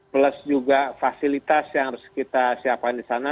plus juga fasilitas yang harus kita siapkan di sana